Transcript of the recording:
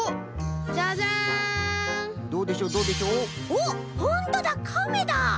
おっほんとだカメだ！